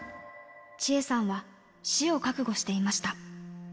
千恵さんは、死を覚悟していました。